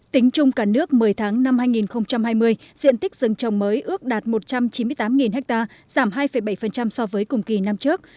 tính chung cả nước một mươi tháng năm hai nghìn hai mươi diện tích rừng trồng mới ước đạt một trăm chín mươi tám ha giảm hai bảy so với cùng kỳ năm trước